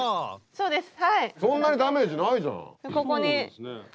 そうですね。